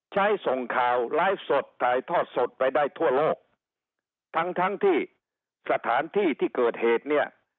ส่งข่าวไลฟ์สดถ่ายทอดสดไปได้ทั่วโลกทั้งทั้งที่สถานที่ที่เกิดเหตุเนี่ย